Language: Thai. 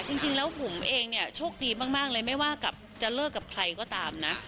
จริงแล้วบุ๋มเองเนี่ยโชคดีมากเลยไม่ว่าจะเลิกกับใครก็ตามนะ